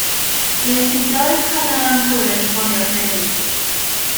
Wnes i droi'r cornel anghywir, esboniodd Mary.